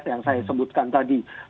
yang saya sebutkan tadi